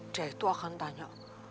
dia itu akan tanya